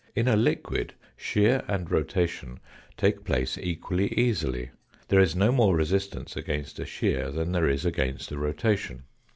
In a liquid shear and rotation take place equally easily, there is no more resistance against a shear than there is against a rotation.